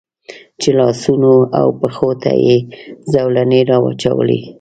چې لاسونو او پښو ته یې زولنې را واچولې.